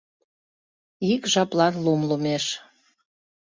Ик жаплан лум лумеш